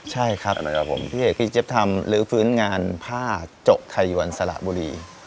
ใช่ครับพี่เหตุกิจเจ็บทำหรือฟื้นงานผ้าจกไทยวันสละบุรี